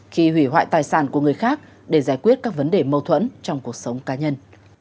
khi hủy hoại tài sản của người khác để giải quyết các vấn đề mâu thuẫn trong cuộc sống cá nhân